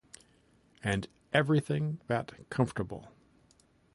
And everything that comfortable.